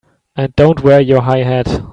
And don't wear your high hat!